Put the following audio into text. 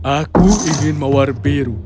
aku ingin mawar biru